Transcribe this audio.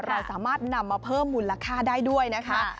เราสามารถนำมาเพิ่มมูลค่าได้ด้วยนะคะ